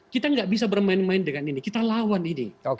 kita nggak bisa bermain main dengan ini kita lawan ini